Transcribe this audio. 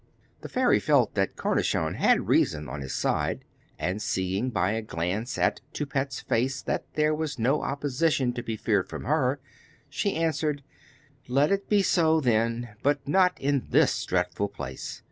The fairy felt that Cornichon had reason on his side, and seeing by a glance at Toupette's face that there was no opposition to be feared from her, she answered, 'Let it be so, then. But not in this dreadful place.